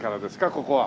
ここは。